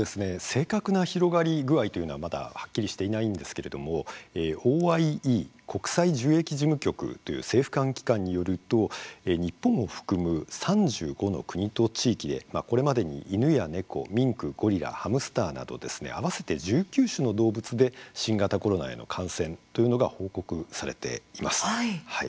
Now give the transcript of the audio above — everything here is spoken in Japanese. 正確な広がり具合というのはまだはっきりしていないんですけれどもＯＩＥ＝国際獣疫事務局という政府間機関によると日本を含む３５の国と地域でこれまでに、犬や猫ミンク、ゴリラ、ハムスターなど合わせて１９種の動物で新型コロナへの感染というのが報告されています。